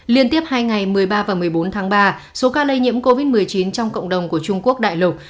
liên tiếp hai ngày một mươi ba và một mươi bốn tháng ba số ca lây nhiễm covid một mươi chín trong cộng đồng của trung quốc đại lục